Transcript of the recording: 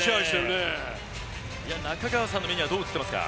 中川さんの目にはどう映っていますか。